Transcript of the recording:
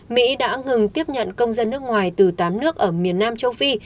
mỹ đã ngừng tiếp nhận công dân nước ngoài từ tám nước ở miền nam châu phi